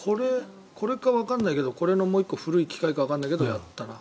これかわからないけどもう１個古いのかわからないけど、やったな。